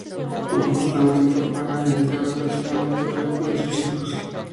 Compuso la música para, entre otras, Madre Coraje y sus hijos.